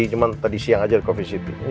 cuma tadi siang aja di coffee city